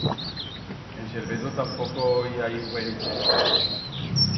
En Serveto tampoco i hai guaire chent.